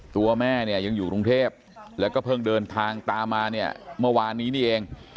ตัวแม่เนี่ยยังอยู่กรุงเทพแล้วก็เพิ่งเดินทางตามมาเนี่ยเมื่อวานนี้นี่เอง